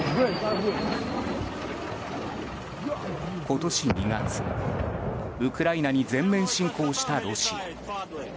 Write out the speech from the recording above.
今年２月、ウクライナに全面侵攻したロシア。